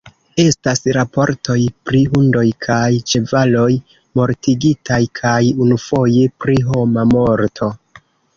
Estas raportoj pri hundoj kaj ĉevaloj mortigitaj kaj unufoje pri homa morto.